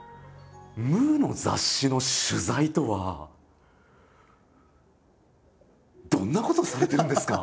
「ムー」の雑誌の取材とはどんなことをされてるんですか？